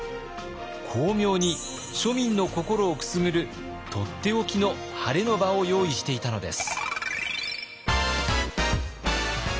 巧妙に庶民の心をくすぐるとっておきのハレの場を用意していたのです。